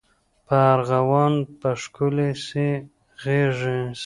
په ارغوان به ښکلي سي غیږي